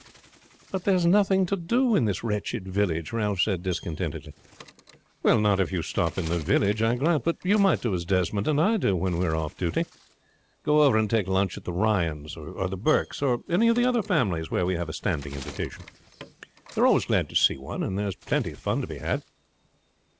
"But there is nothing to do in this wretched village," Ralph said discontentedly. "Not if you stop in the village, I grant; but you might do as Desmond and I do when we are off duty; go over and take lunch at the Ryans', or Burkes', or any of the other families where we have a standing invitation. They are always glad to see one, and there's plenty of fun to be had."